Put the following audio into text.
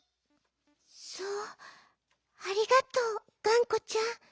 そうありがとうがんこちゃん。